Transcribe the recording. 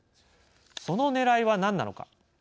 そのねらいは何なのか。